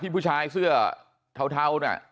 นี่คุณตูนอายุ๓๗ปีนะครับ